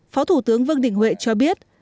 phó thủ tướng vương đình huệ cho biết